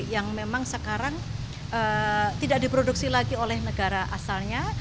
yang memang sekarang tidak diproduksi lagi oleh negara asalnya